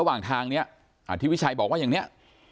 ระหว่างทางเนี่ยอธิวิชัยบอกว่าอย่างนี้